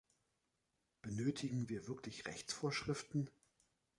Benötigen wir wirklich Rechtsvorschriften?